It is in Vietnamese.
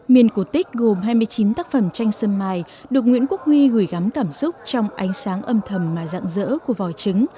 miền cổ tích gồm hai mươi chín tác phẩm tranh sơn mài được nguyễn quốc huy gửi gắm cảm xúc trong ánh sáng âm thầm mài dạng dỡ của vòi trứng